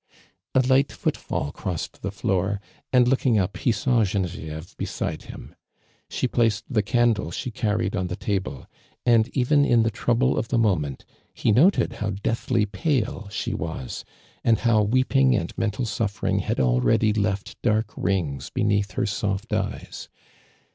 A light foot fall crossed the floor, and looking up he saw Genevieve beside him. She placed the candle she carried on the table, and even in the trouble of tiio mo ment, he noted how deathly pah; she wa , and how weeping and mental suffering had already left dark rings beneath her soft eyes.